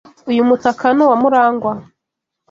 Uyu mutaka ni uwa Murangwa.